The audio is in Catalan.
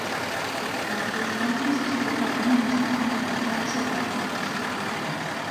Els dos còmplices preparen una estafa per venjar-se de la mort del seu camarada.